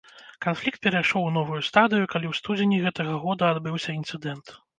Канфлікт перайшоў у новую стадыю, калі ў студзені гэтага года адбыўся інцыдэнт.